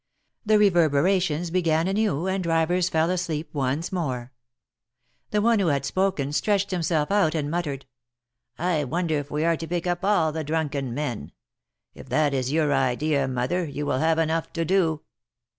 The reverberations began anew, and drivers fell asleep once more. The one who had spoken, stretched himself out and muttered :" I wonder if we are to pick up all the drunken men. If that is your idea. Mother, you will have enough to do."